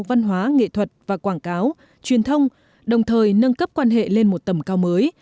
văn hóa nghệ thuật và quảng cáo truyền thông đồng thời nâng cấp quan hệ lên một tầm cao mới